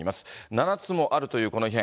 ７つもあるというこの異変。